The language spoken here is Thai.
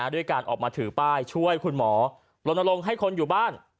ด้วยการออกมาถือป้ายช่วยคุณหมอลนลงให้คนอยู่บ้าน